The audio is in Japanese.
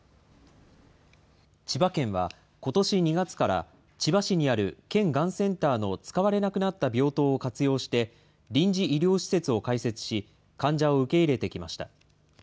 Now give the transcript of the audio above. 千葉県はことし２月から、千葉市にある県がんセンターの使われなくなった病棟を活用して臨時医療施設を開設し、患者を受け入れてきました。